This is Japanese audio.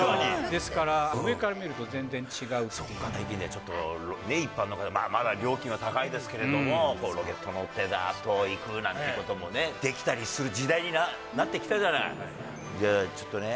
ですから上から見ると全然違そうか、最近では一般の方、まだ料金は高いですけど、ロケット乗っていくなんてこともね、できたりする時代になってきそうですよね。